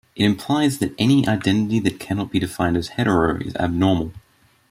It implies that any identity that cannot be defined as 'hetero' is abnormal.